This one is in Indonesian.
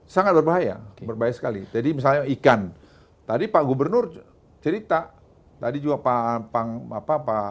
sangat berbahaya berbahaya sekali jadi misalnya ikan tadi pak gubernur cerita tadi juga pak pang apa pak